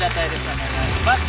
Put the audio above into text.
お願いします。